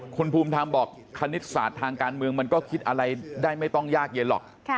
คุณภูมิธรรมบอกคณิตศาสตร์ทางการเมืองมันก็คิดอะไรได้ไม่ต้องยากเย็นหรอก